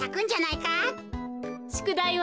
しゅくだいは？